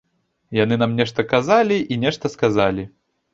Яны нам нешта казалі і нешта сказалі.